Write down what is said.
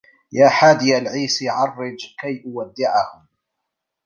يا حاديَ العيس عرّج كي أودّعهم